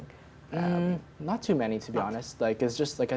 bukan terlalu banyak untuk sejujurnya